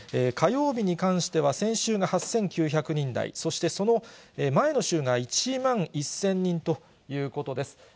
火曜日に関しては、先週が８９００人台、そしてその前の週が１万１０００人ということです。